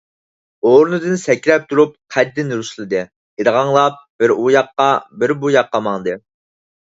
ئورنىدىن سەكرەپ تۇرۇپ، قەددىنى رۇسلىدى، ئىرغاڭلاپ بىر ئۇ ياققا - بىر بۇ ياققا ماڭدى.